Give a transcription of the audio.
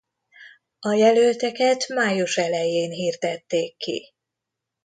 A jelölteket május elején hirdették ki.